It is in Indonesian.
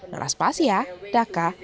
neras pahasia daka